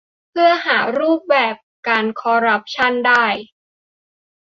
เพื่อหารูปแบบการคอรัปชั่นได้